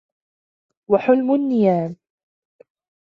وَحُلْمُ النِّيَامِ